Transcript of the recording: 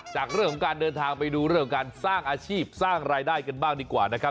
จากเรื่องของการเดินทางไปดูเรื่องการสร้างอาชีพสร้างรายได้กันบ้างดีกว่านะครับ